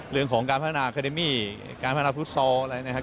เรื่องของการพัฒนาคาเดมี่การพัฒนาฟุตซอลอะไรนะครับ